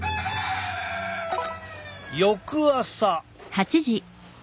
翌朝。